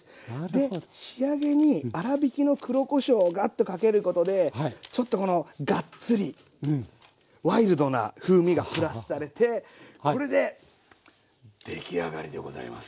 で仕上げに粗びきの黒こしょうガッとかけることでちょっとこのガッツリワイルドな風味がプラスされてこれで出来上がりでございます。